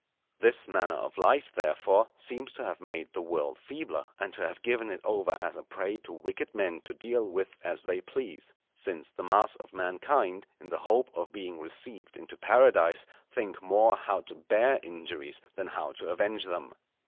This manner of life, therefore, seems to have made the world feebler, and to have given it over as a prey to wicked men to deal with as they please; since the mass of mankind, in the hope of being received into Paradise, think more how to bear injuries than how to avenge them.